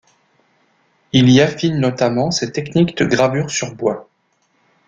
Il y affine notamment ses techniques de gravure sur bois.